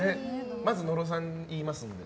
まず野呂さん聞きますので。